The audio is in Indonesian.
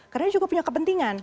karena dia juga punya kepentingan